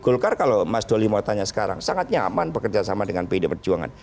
golkar kalau mas doli mau tanya sekarang sangat nyaman bekerjasama dengan pdi perjuangan